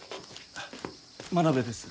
真鍋です。